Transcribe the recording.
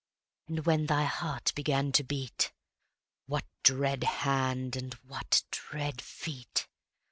And when thy heart began to beat, What dread hand and what dread feet?